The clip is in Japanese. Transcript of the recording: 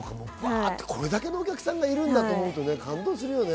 これだけのお客さんがいるんだと思うと感動するよね。